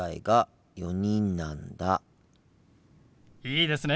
いいですね。